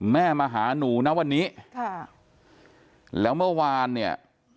มาหาหนูนะวันนี้ค่ะแล้วเมื่อวานเนี่ย